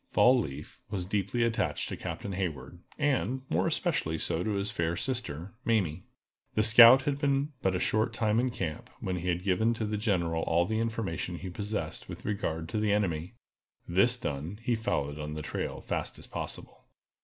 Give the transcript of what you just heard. Fall leaf was deeply attached to Captain Hayward, and, more especially so to his fair sister, Mamie. The scout had been but a short time in camp, when he had given to the General all the information he possessed with regard to the enemy. This done, he followed on the trail fast as possible.